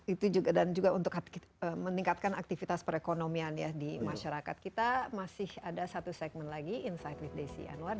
itu juga dan juga untuk meningkatkan aktivitas perekonomian ya di masyarakat kita masih ada satu segmen lagi insight with desi anwar